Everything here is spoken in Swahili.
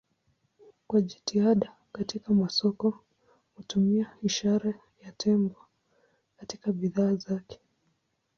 Kwa jitihada katika masoko hutumia ishara ya tembo katika bidhaa zake.